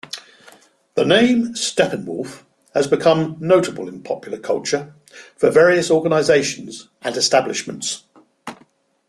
The name "Steppenwolf" has become notable in popular culture for various organizations and establishments.